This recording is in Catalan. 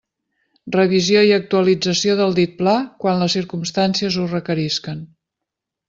Revisió i actualització del dit pla quan les circumstàncies ho requerisquen.